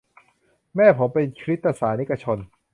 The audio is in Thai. แม่ผมเป็นคริสตศาสนิกชน